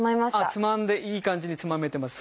つまんでいい感じにつまめてます。